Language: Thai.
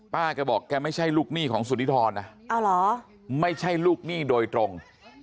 ป้าก็บอกแกไม่ใช่ลูกหนี้ของสุธิธรณ์นะเอาเหรอไม่ใช่ลูกหนี้โดยตรง